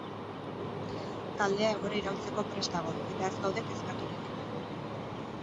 Taldea egoera iraultzeko prest dago, eta ez gaude kezkaturik.